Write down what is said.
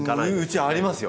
うちありますよ